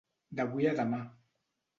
D'avui a demà.